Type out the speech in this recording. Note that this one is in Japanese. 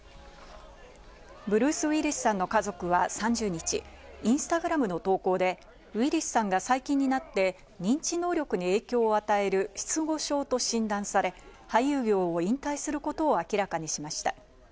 ブルース・ウィリスさんの家族は３０日、インスタグラムの投稿で、ウィリスさんが最近になって、認知能力に影響を与える失語症と診断され、俳優業を引退することを明らかにしました。